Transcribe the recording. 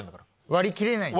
割り切れない。